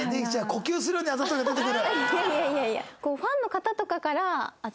呼吸するようにあざといが出てくる。